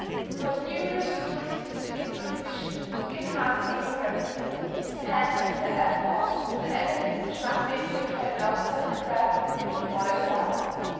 For the numerous cruelties inflicted on fishes, we can hardly name a remedy yet; but has the reader ever thought of the agony which must be endured by the lobster and crab in being boiled alive?